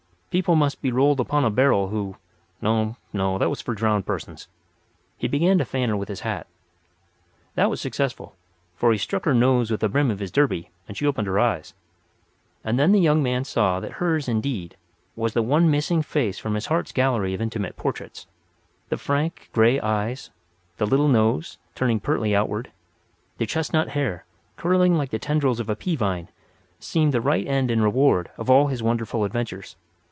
People must be rolled upon a barrel who—no, no; that was for drowned persons. He began to fan her with his hat. That was successful, for he struck her nose with the brim of his derby and she opened her eyes. And then the young man saw that hers, indeed, was the one missing face from his heart's gallery of intimate portraits. The frank, grey eyes, the little nose, turning pertly outward; the chestnut hair, curling like the tendrils of a pea vine, seemed the right end and reward of all his wonderful adventures.